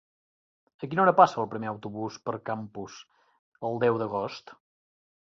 A quina hora passa el primer autobús per Campos el deu d'agost?